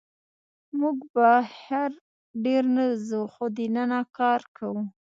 موږ بهر ډېر نه وځو، خو دننه کار کوو.